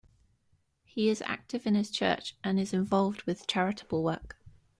He is active in his church and is involved with charitable work.